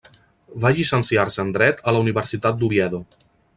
Va llicenciar-se en Dret a la Universitat d'Oviedo.